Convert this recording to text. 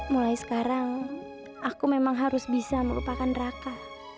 mulai sekarang aku memang harus bisa melupakan raka